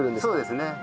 そうですね。